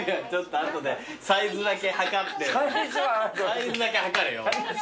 サイズだけ測れよ。